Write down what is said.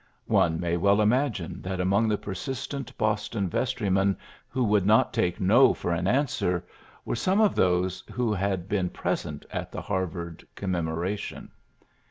One may well imagine that among the persistent Boston vestrymen who would not take Ko for an answer were some of those who had been present at the Har vard Commemoration.